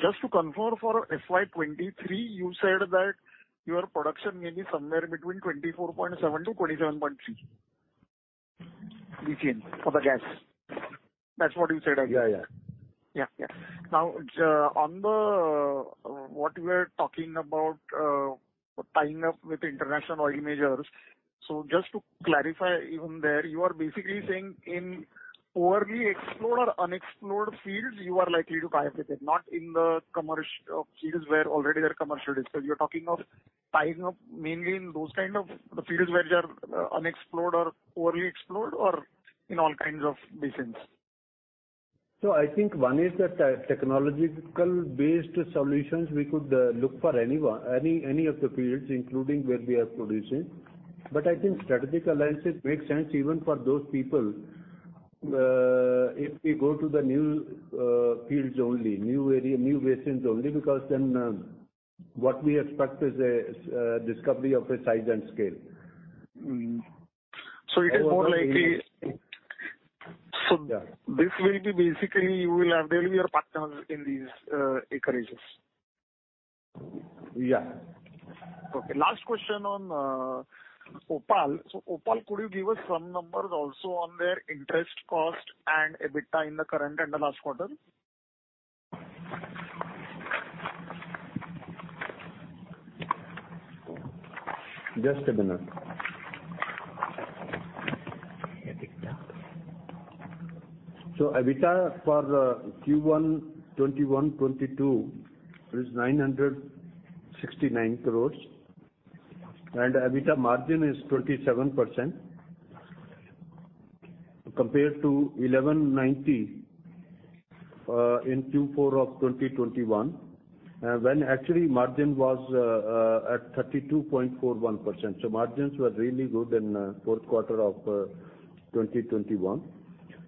just to confirm for FY 2023, you said that your production may be somewhere between 24.7 BCM-27.3 BCM for the gas. That's what you said earlier. Yeah. Yeah. On what you were talking about tying up with international oil majors. Just to clarify, even there, you are basically saying in overly explored or unexplored fields, you are likely to tie up with it, not in the fields where already they're commercial fields. You're talking of tying up mainly in those kind of fields where they are unexplored or overly explored, or in all kinds of basins? I think one is the technological based solutions we could look for any of the fields, including where we are producing. I think strategic alliances make sense even for those people. If we go to the new fields only, new area, new basins only, because then what we expect is a discovery of a size and scale. So it is more like a. Yeah. This will be basically, you will have mainly your partners in these acreages. Yeah. Okay. Last question on OPaL. OPaL, could you give us some numbers also on their interest cost and EBITDA in the current and the last quarter? Just a minute. EBITDA for Q1 21/22 is INR 969 crores, and EBITDA margin is 27%, compared to 1,190 in Q4 of 2021, when actually margin was at 32.41%. Margins were really good in fourth quarter of 2021.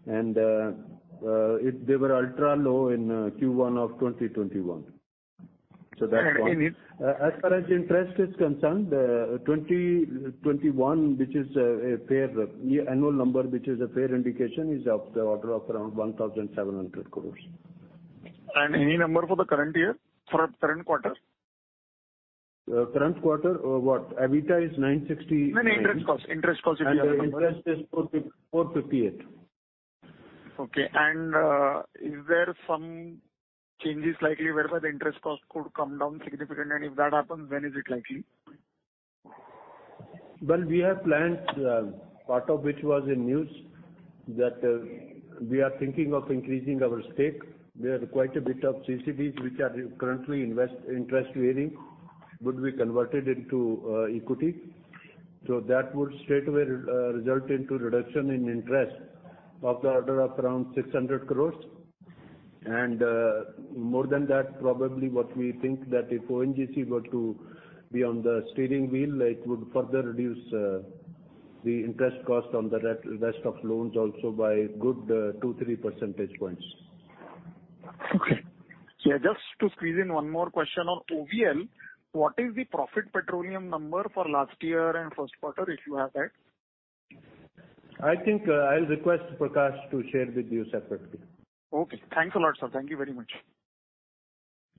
They were ultra low in Q1 of 2021. That's one. As far as interest is concerned, 2021, which is annual number, which is a fair indication, is of the order of around 1,700 crores. Any number for the current year, for current quarter? Current quarter? What? EBITDA is INR 960. No, interest cost. The interest is INR 458. Okay. Is there some changes likely whereby the interest cost could come down significantly? If that happens, when is it likely? Well, we have planned, part of which was in news, that we are thinking of increasing our stake. There is quite a bit of CCDs which are currently interest bearing, would be converted into equity. That would straightaway result into reduction in interest of the order of around 600 crores. More than that, probably what we think that if ONGC were to be on the steering wheel, it would further reduce the interest cost on the rest of loans also by good 2, 3 percentage points. Okay. Yeah, just to squeeze in one more question on OVL, what is the Profit Petroleum number for last year and first quarter, if you have that? I think I will request Prakash to share with you separately. Okay. Thanks a lot, Sir. Thank you very much.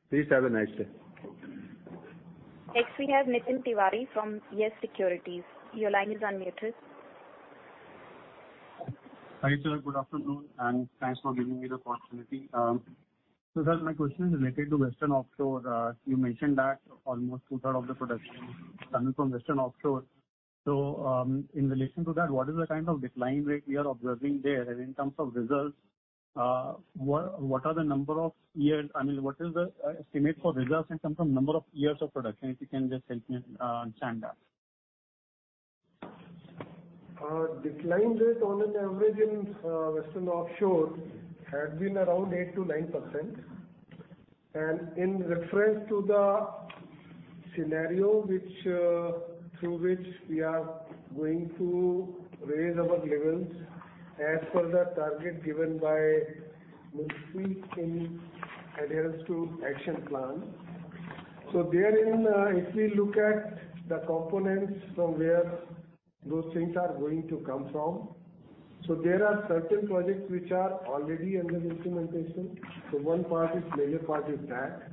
Please have a nice day. Next we have Nitin Tiwari from Yes Securities. Hi, Sir. Good afternoon, and thanks for giving me the opportunity. Sir, my question is related to Western Offshore. You mentioned that almost two-thirds of the production is coming from Western Offshore. In relation to that, what is the kind of decline rate we are observing there? In terms of results, what is the estimate for results in terms of number of years of production, if you can just help me understand that. Decline rate on an average in Western Offshore had been around 8% to 9%. In reference to the scenario through which we are going to raise our levels as per the target given by Ministry in adherence to Action Plan. Therein, if we look at the components from where those things are going to come from, so there are certain projects which are already under implementation. Major part is that.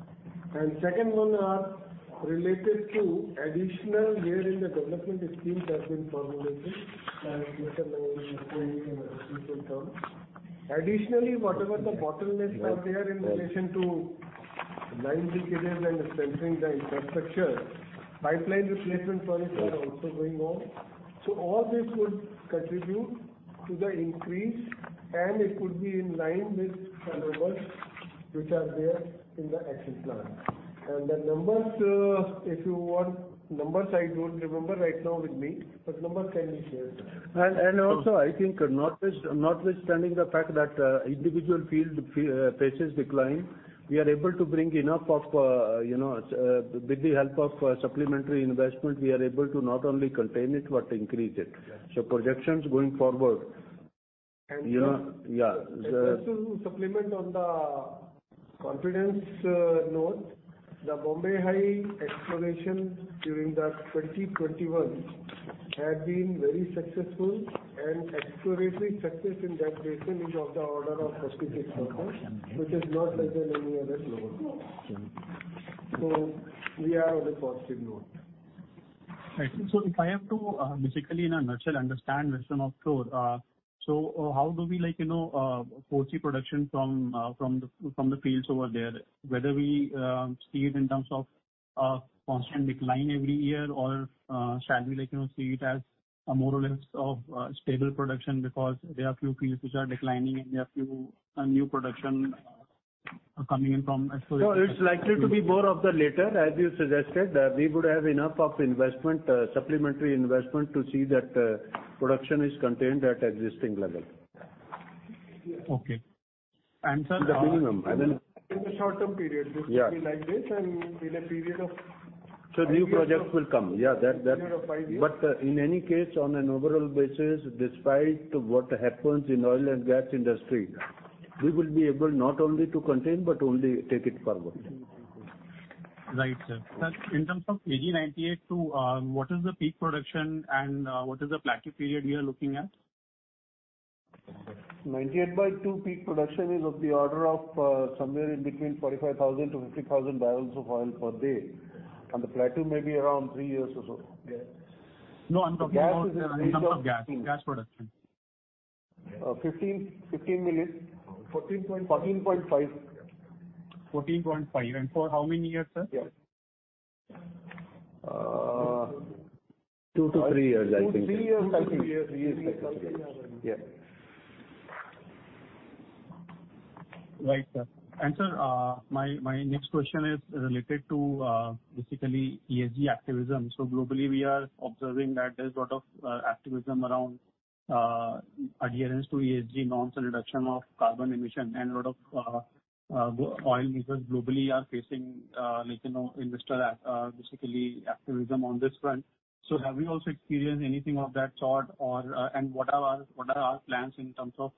Second one are related to additional layer in the development schemes that have been formulated and later may explain in other detail terms. Additionally, whatever the bottlenecks are there in relation to line linkages and strengthening the infrastructure, pipeline replacement projects are also going on. All this would contribute to the increase, and it could be in line with the numbers which are there in the Action Plan. The numbers, if you want numbers, I don't remember right now with me, but numbers can be shared. I think notwithstanding the fact that individual field faces decline, with the help of supplementary investment, we are able to not only contain it, but increase it. Yes. Projections going forward Yeah. Just to supplement on the confidence note, the Bombay High exploration during the 2021 had been very successful. Exploratory success in that basin is of the order of 56%, which is not less than any other block. We are on a positive note. Right. If I have to basically, in a nutshell, understand Western Offshore, how do we foresee production from the fields over there? Whether we see it in terms of a constant decline every year, or shall we see it as a more or less of a stable production because there are few fields which are declining and there are few new production coming in from exploration. No, it's likely to be more of the latter, as you suggested. We would have enough supplementary investment to see that production is contained at existing level. Okay. Sir. The minimum. In the short-term period, this will be like this. New projects will come. Yeah. A period of five years. In any case, on an overall basis, despite what happens in oil and gas industry, we will be able not only to contain, but only take it forward. Right, Sir. Sir, in terms of KG-DWN-98/2, what is the peak production and what is the plateau period we are looking at? 98/2 peak production is of the order of somewhere in between 45,000 to 50,000 barrels of oil per day, and the plateau may be around three years or so. No, I'm talking about. Gas is. In terms of gas production. 15 million. 14.5. 14.5. For how many years, Sir? Yes. Two to three years, I think. Two, three years. Something around there. Yes. Right, Sir. Sir, my next question is related to basically ESG activism. Globally, we are observing that there's a lot of activism around adherence to ESG norms and reduction of carbon emission. A lot of oil majors globally are facing investor activism on this front. Have we also experienced anything of that sort, and what are our plans in terms of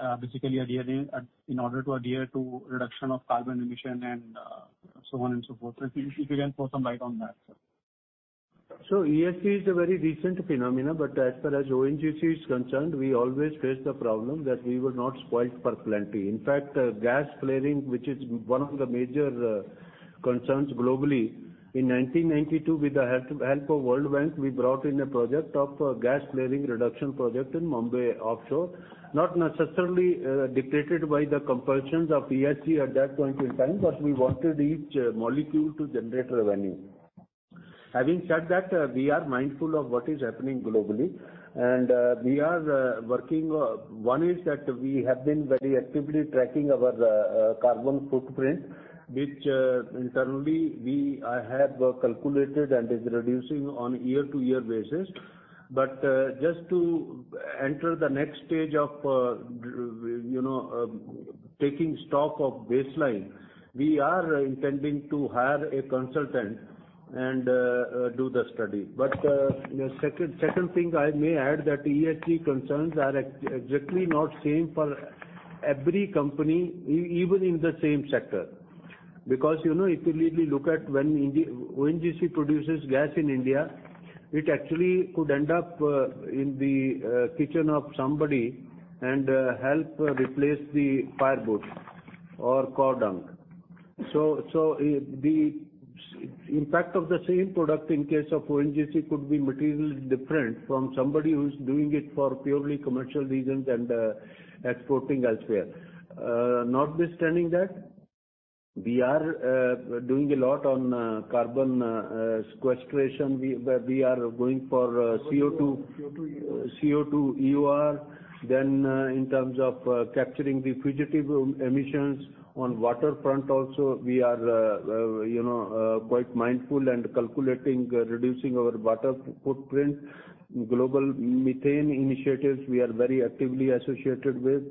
adherence in order to adhere to reduction of carbon emission and so on and so forth? If you can throw some light on that, Sir. ESG is a very recent phenomenon, but as far as ONGC is concerned, we always face the problem that we will not spoil plenty. In fact, gas flaring, which is one of the major concerns globally, in 1992, with the help of World Bank, we brought in a project of gas flaring reduction project in Mumbai offshore. Not necessarily dictated by the compulsions of ESG at that point in time, we wanted each molecule to generate revenue. Having said that, we are mindful of what is happening globally, we are working. One is that we have been very actively tracking our carbon footprint, which internally we have calculated and is reducing on year-to-year basis. Just to enter the next stage of taking stock of baseline, we are intending to hire a consultant and do the study. The second thing I may add, that ESG concerns are exactly not same for every company, even in the same sector. If you really look at when ONGC produces gas in India, it actually could end up in the kitchen of somebody and help replace the firewood or cow dung. The impact of the same product in case of ONGC could be materially different from somebody who's doing it for purely commercial reasons and exporting elsewhere. Notwithstanding that, we are doing a lot on carbon sequestration. We are going for CO2 EOR. CO2 EOR. CO2 EOR. In terms of capturing the fugitive emissions on waterfront also, we are quite mindful and calculating, reducing our water footprint. Global Methane Initiative, we are very actively associated with,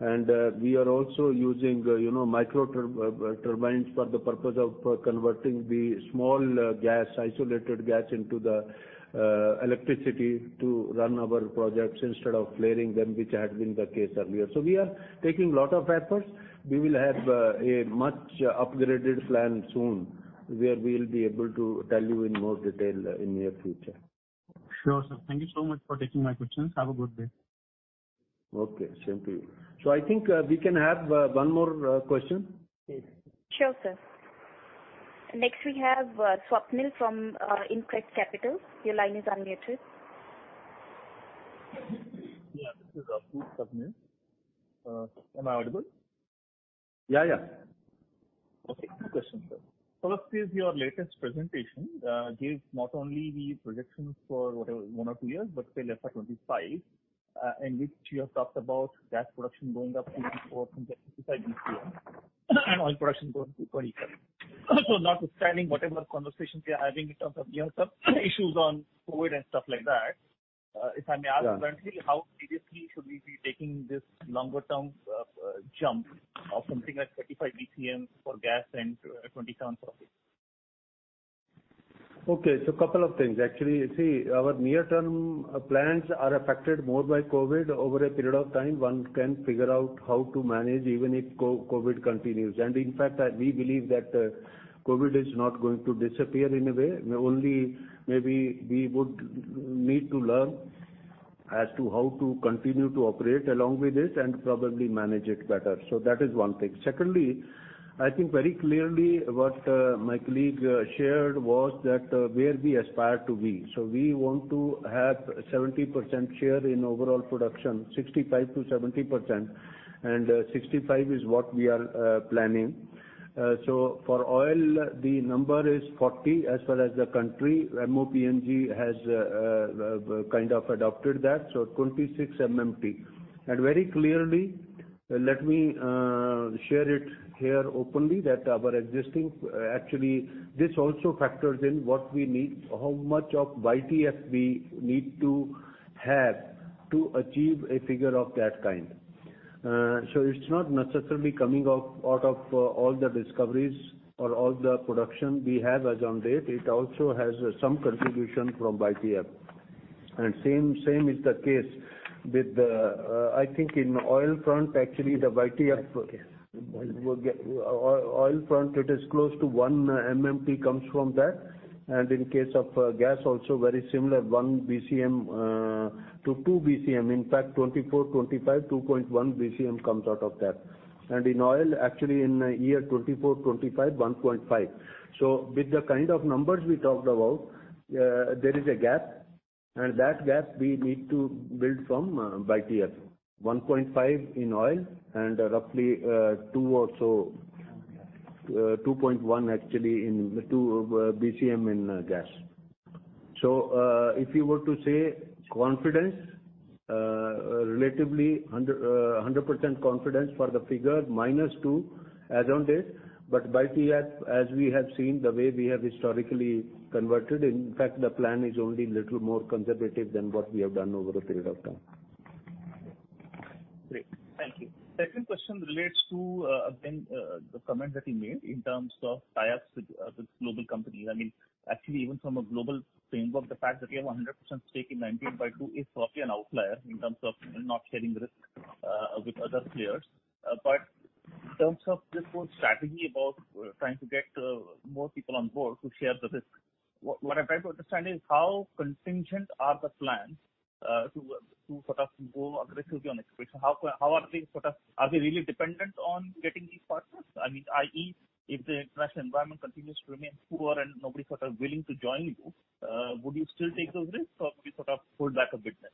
and we are also using micro turbines for the purpose of converting the small gas, isolated gas, into the electricity to run our projects instead of flaring them, which had been the case earlier. We are taking lot of efforts. We will have a much upgraded plan soon, where we'll be able to tell you in more detail in near future. Sure, Sir. Thank you so much for taking my questions. Have a good day. Okay. Same to you. I think we can have one more question. Please. Sure, Sir. Next we have Swapnil from InCred Capital. Your line is unmuted. Yeah. This is Swapnil. Am I audible? Yeah. Okay. Two questions, Sir. First is your latest presentation gives not only the projections for one or two years, but say, let's say, 2025, in which you have talked about gas production going up to 4.55 BCM and oil production going to 27. Notwithstanding whatever conversations we are having in terms of some issues on COVID and stuff like that. Yeah. currently, how seriously should we be taking this longer-term jump of something like 35 BCM for gas and 27 for oil? Okay. A couple of things. Actually, our near-term plans are affected more by COVID. Over a period of time, one can figure out how to manage even if COVID continues. In fact, we believe that COVID is not going to disappear anyway. Only maybe we would need to learn as to how to continue to operate along with this and probably manage it better. That is one thing. Secondly, I think very clearly what my colleague shared was where we aspire to be. We want to have 70% share in overall production, 65%-70%, and 65% is what we are planning. For oil, the number is 40, as far as the country, MoPNG has kind of adopted that, so 26 MMT. Very clearly, let me share it here openly, that actually, this also factors in what we need, how much of YTS we need to have to achieve a figure of that kind. It's not necessarily coming out of all the discoveries or all the production we have as on date. It also has some contribution from YTS. Same is the case with, I think in oil front, actually, the YTS. Gas. Oil front, it is close to one MMT comes from that. In case of gas, also very similar, 1 BCM-2 BCM. In fact, 2024/2025, 2.1 BCM comes out of that. In oil, actually in year 2024/2025, 1.5. With the kind of numbers we talked about, there is a gap, and that gap we need to build from YTS, 1.5 in oil and roughly two or so, 2.1 actually, 2 BCM in gas. If you were to say confidence, relatively 100% confidence for the figure, -2 as on date. YTS, as we have seen, the way we have historically converted, in fact, the plan is only a little more conservative than what we have done over a period of time. Great. Thank you. Second question relates to, again, the comment that you made in terms of tie-ups with global companies. Actually, even from a global framework, the fact that you have 100% stake in 98/2 is probably an outlier in terms of not sharing risk with other players. In terms of this whole strategy about trying to get more people on board to share the risk, what I'm trying to understand is how contingent are the plans to sort of go aggressively on exploration? Are they really dependent on getting these partners? I.e., if the international environment continues to remain poor and nobody's willing to join you, would you still take those risks, or would you sort of pull back a bit then?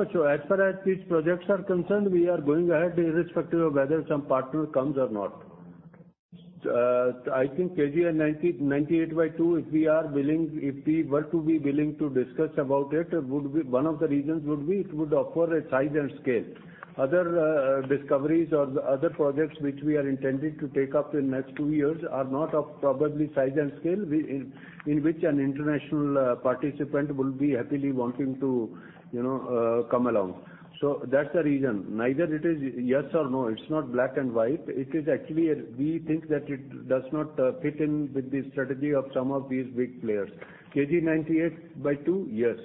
As far as these projects are concerned, we are going ahead irrespective of whether some partner comes or not. I think KG-DWN-98/2, if we were to be willing to discuss about it, one of the reasons would be it would offer a size and scale. Other discoveries or other projects which we are intending to take up in next two years are not of, probably, size and scale in which an international participant will be happily wanting to come along. That's the reason. Neither it is yes or no. It's not black and white. It is actually, we think that it does not fit in with the strategy of some of these big players. KG-DWN-98/2, yes.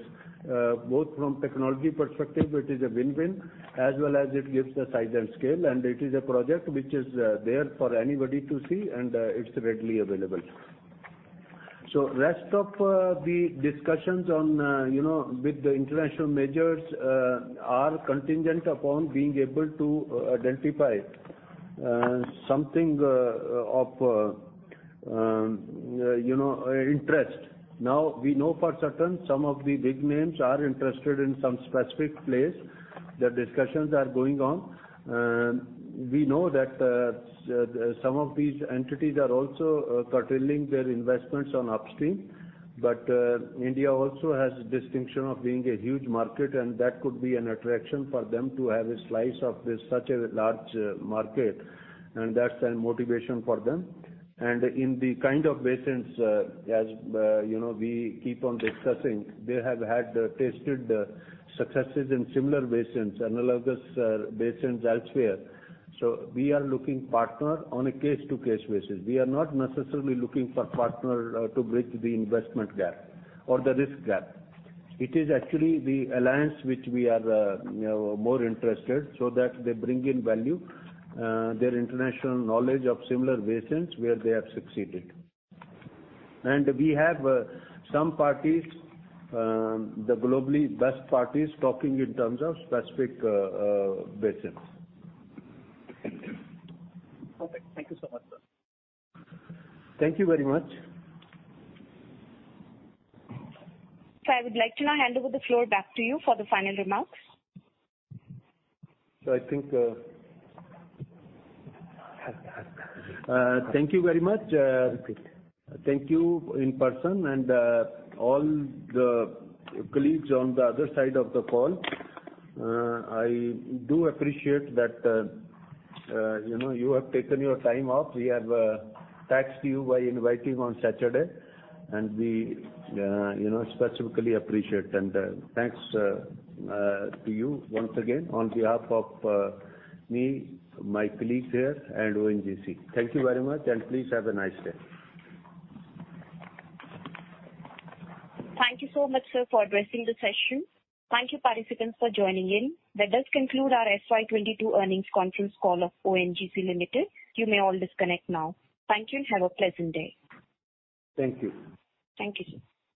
Both from technology perspective, it is a win-win, as well as it gives the size and scale, and it is a project which is there for anybody to see, and it's readily available. Rest of the discussions with the international majors are contingent upon being able to identify something of interest. Now, we know for certain some of the big names are interested in some specific place. The discussions are going on. We know that some of these entities are also curtailing their investments on upstream. India also has a distinction of being a huge market, and that could be an attraction for them to have a slice of such a large market, and that's a motivation for them. In the kind of basins, as we keep on discussing, they have had tested successes in similar basins, analogous basins elsewhere. We are looking partner on a case-to-case basis. We are not necessarily looking for partner to bridge the investment gap or the risk gap. It is actually the alliance which we are more interested so that they bring in value, their international knowledge of similar basins where they have succeeded. We have some parties, the globally best parties, talking in terms of specific basins. Perfect. Thank you so much, Sir. Thank you very much. Sir, I would like to now hand over the floor back to you for the final remarks. Thank you very much. Thank you in person and all the colleagues on the other side of the call. I do appreciate that you have taken your time off. We have taxed you by inviting on Saturday, and we specifically appreciate and thanks to you once again on behalf of me, my colleagues here, and ONGC. Thank you very much. Please have a nice day. Thank you so much, Sir, for addressing the session. Thank you, participants, for joining in. That does conclude our FY 2022 earnings conference call of ONGC Limited. You may all disconnect now. Thank you, and have a pleasant day. Thank you. Thank you, Sir.